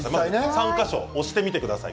３か所、押してみてください。